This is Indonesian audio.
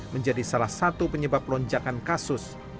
menjadi salah satu penyebab lonjakan kasus